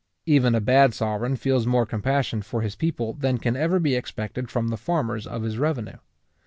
Even a bad sovereign feels more compassion for his people than can ever be expected from the farmers of his revenue.